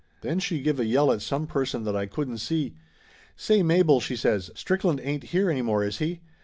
Then she give a yell at some person that I couldn't see. "Say, Mabel!" she says. "Strickland ain't here any more, is he?"